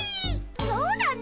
そうだね。